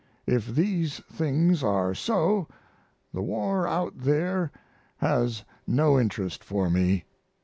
If these things are so the war out there has no interest for me.